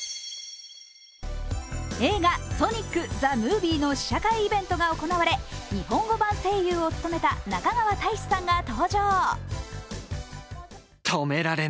映画「ソニック・ザ・ムービー」の試写会イベントが行われ日本語版声優を務めた中川大志さんが登場。